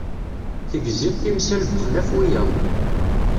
Tegziḍ timsal bexlaf wiyaḍ.